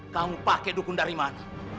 kamu pakai dukun dari mana